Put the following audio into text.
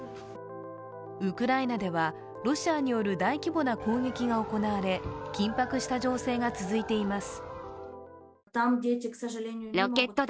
ウクライナではロシアによる大規模な攻撃が行われ、緊迫した情勢が続いています。